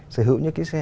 sở hữu những cái xe